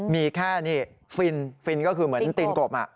มีแค่นี่ฟินฟินก็คือเหมือนตีนกบ